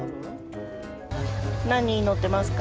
何に乗ってますか。